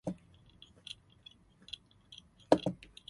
Duncan holds a number of ecclesiastical and civic duties.